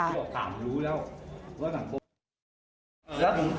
แล้วผมถามพอหยุดขำได้ดูแล้ว